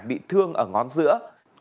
bị thương ở ngón giữa